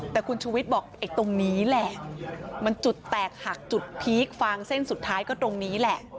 แต่คุณชูวิทย์บอกไอ้ตรงนี้แหละมันจุดแตกหักจุดพีคฟางเส้นสุดท้ายก็ตรงนี้แหละ